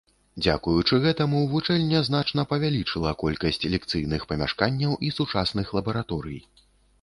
Дзякуючы гэтаму вучэльня значна павялічыла колькасць лекцыйных памяшканняў і сучасных лабараторый.